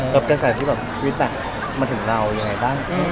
กับการสาธิตวิทย์น่ะมาถึงเราอย่างไรบ้าง